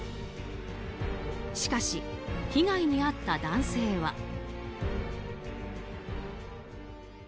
しかし、被害に遭った男性は。